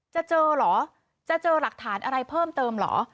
จะเจอเหรอจะเจอหลักฐานอะไรเพิ่มเติมเหรอ